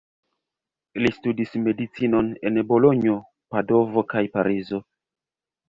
Li studis Medicinon en Bolonjo, Padovo kaj Parizo.